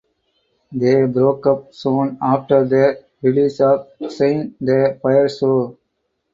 They broke up soon after the release of "Saint the Fire Show".